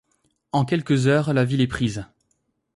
En quelques heures la ville est prise.